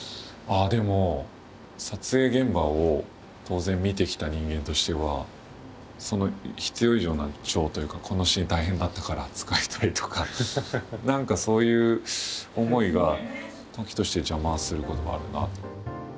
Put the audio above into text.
ああでも撮影現場を当然見てきた人間としては必要以上な情というかこのシーン大変だったから使いたいとか何かそういう思いが時として邪魔をすることはあるなと。